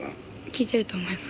聴いてると思います。